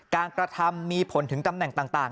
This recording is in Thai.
กระทำมีผลถึงตำแหน่งต่าง